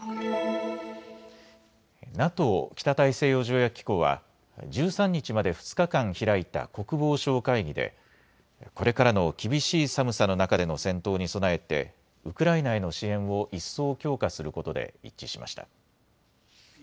ＮＡＴＯ・北大西洋条約機構は１３日まで２日間開いた国防相会議でこれからの厳しい寒さの中での戦闘に備えてウクライナへの支援を一層強化することで一致しました。